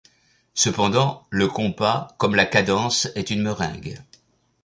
Cependant, le compas comme la cadence est une meringue.